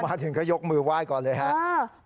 มาถึงก็ยกมือไหว้ก่อนเลยครับ